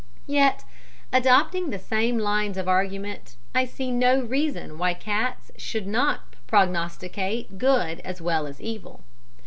Yet, adopting the same lines of argument, I see no reason why cats should not prognosticate good as well as evil.